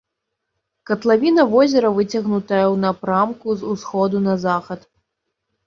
Катлавіна возера выцягнутая ў напрамку з усходу на захад.